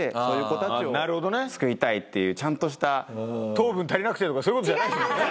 糖分足りなくてとかそういう事じゃないですもんね。